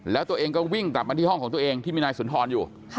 แล้วตัวเองก็วิ่งกลับมาที่ห้องของตัวเองที่มีนายสุนทรอยู่